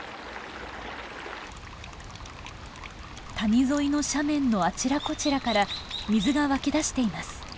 谷沿いの斜面のあちらこちらから水が湧き出しています。